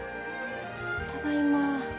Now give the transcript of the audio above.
ただいま。